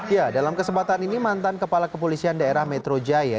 ya dalam kesempatan ini mantan kepala kepolisian daerah metro jaya